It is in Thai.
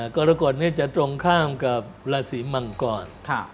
กรกฎนี้จะตรงข้ามกับราศีมังกร